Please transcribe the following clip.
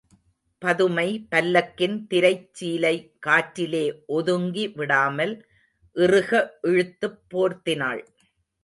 பதுமை பல்லக்கின் திரைச் சீலை காற்றிலே ஒதுங்கி விடாமல் இறுக இழுத்துப் போர்த்தினாள்.